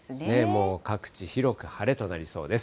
もう各地広く晴れとなりそうです。